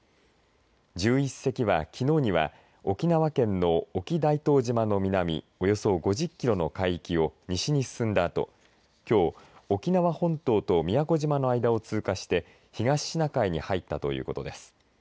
１１隻は、きのうには沖縄県の沖大東島の南およそ５０キロの海域を西に進んだあときょう沖縄本島と宮古島の間を通過して東シナ海に入ったということです。